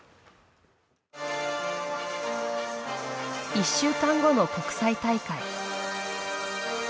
１週間後の国際大会。